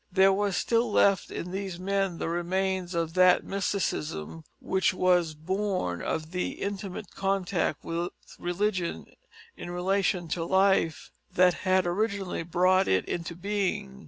There was still left in these men the remains of that mysticism which was born of the intimate contact with religion in relation to life that had originally brought it into being.